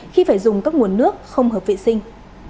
khi phải dùng các nguồn nước không hợp vệ sinh